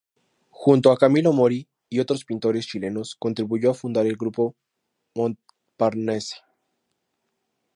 Junto a Camilo Mori y otros pintores chilenos contribuyó a fundar el Grupo Montparnasse.